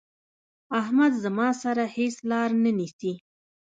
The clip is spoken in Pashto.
احمد زما سره هيڅ لار نه نيسي.